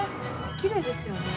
◆きれいですよね。